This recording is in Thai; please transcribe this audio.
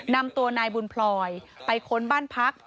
นำตัวนายบุญพลอยไปค้นบ้านพัก